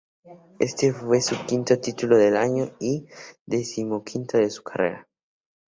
Este fue su quinto título del año y decimoquinto de su carrera.